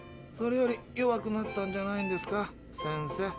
それより弱くなったんじゃないんですか先生。